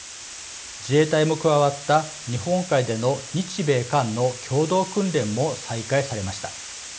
自衛隊も加わった日本海での日米韓の共同訓練も再開されました。